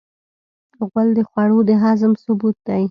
غول د خوړو د هضم ثبوت دی.